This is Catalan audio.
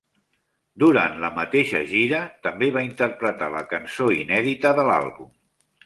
Durant la mateixa gira també va interpretar la cançó inèdita de l'àlbum.